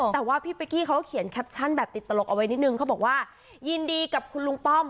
แต่ว่าพี่เป๊กกี้เขาก็เขียนแคปชั่นแบบติดตลกเอาไว้นิดนึงเขาบอกว่ายินดีกับคุณลุงป้อม